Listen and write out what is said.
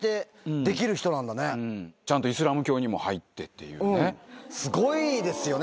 ちゃんとイスラム教にも入っすごいですよね。